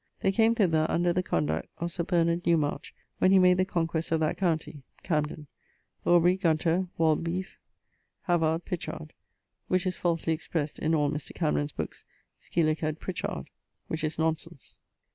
They came thither under the conduct of Sir Bernard Newmarch when he made the conquest of that county (Camden). 'Aubrey, Gunter, Waldbeof, Havard, Pichard' (which is falsely express'd in all Mr. Camden's bookes, scil. Prichard, which is non sense).